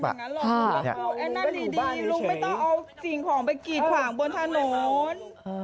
ไอ้นั่นดีลุงไม่ต้องเอาสิ่งของไปกีดขวางบนถนน